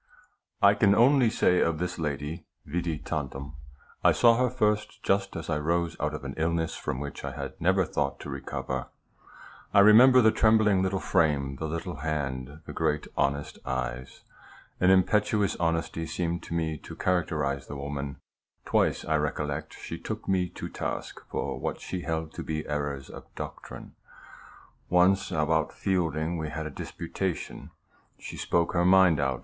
I can only say of this lady, vidi tantum. I saw her first just as I rose out of an illness from which I had never thought to recover. I remember the trembling little frame, the little hand, the great honest eyes. An impetuous honesty seemed to me to characterize the woman. Twice I recollect she took me to task for what she held to be errors in doctrine. Once about Fielding we had a disputation. She spoke her mind out.